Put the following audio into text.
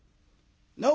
なお